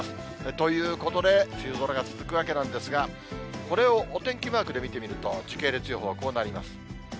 ということで、梅雨空が続くわけなんですが、これをお天気マークで見てみると、時系列予報、こうなります。